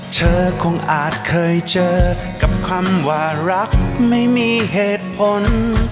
เธอคงอาจเคยเจอกับคำว่ารักไม่มีเหตุผล